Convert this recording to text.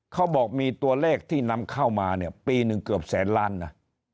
เขาบอกมีตัวเลขที่นำเข้ามาเนี่ยปีหนึ่งเกือบแสนล้านนะ